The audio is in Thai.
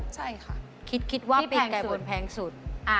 ใช่ค่ะคิดว่าปีกไก่บนแพงสุด